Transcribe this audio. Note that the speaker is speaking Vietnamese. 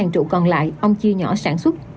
ba trụ còn lại ông chia nhỏ sản xuất